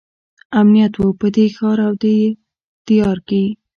امنیت وو په دې ښار او دې دیار کې.